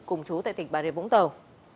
cùng chú tại tỉnh bà rịa vũng tàu